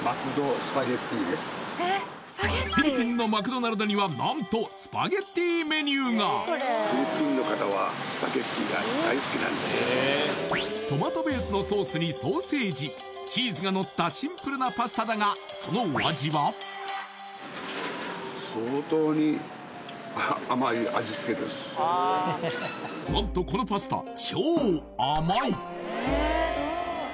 フィリピンのマクドナルドには何とスパゲッティメニューがトマトベースのソースにソーセージチーズがのったシンプルなパスタだが何とこのパスタ